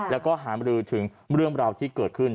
และหารือถึงเรื่องราวกันที่เกิดขึ้น